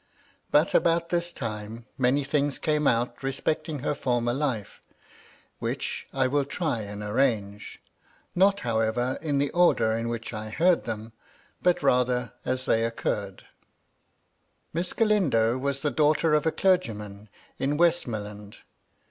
But about this time many things came out respecting her former life, which I will try and arrange ; not, however, in the order in which I heard them, but rather as they occurred. Miss Galindo was the daughter of a clergyman in Westmoreland.